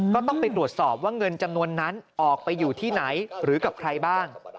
ก็ต้องไปตรวจสอบว่าเงินจำนวนนั้นออกไปอยู่ที่ไหนหรือกับใครบ้าง